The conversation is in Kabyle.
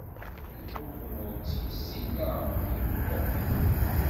Lḥukuma ur tt-yessin, laɛmer yebbuṭi.